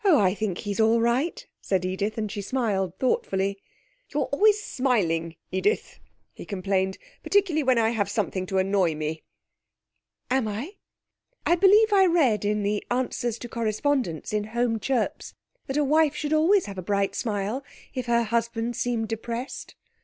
I think he's all right, said Edith, and she smiled thoughtfully. 'You're always smiling, Edith,' he complained. 'Particularly when I have something to annoy me.' 'Am I? I believe I read in the "Answers to Correspondents" in Home Chirps that a wife should always have a bright smile if her husband seemed depressed.'